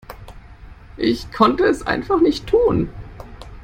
Ich konnte es einfach nicht tun.